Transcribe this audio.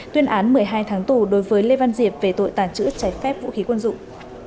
tuyên án một mươi hai tháng tù đối với lê văn diệp về tội tàng trữ trái phép vũ khí quân dụng